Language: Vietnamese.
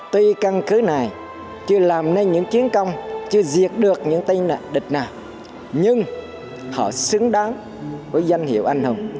tuy căn cứ này chưa làm nên những chiến công chưa diệt được những tên địch nào nhưng họ xứng đáng với danh hiệu anh hùng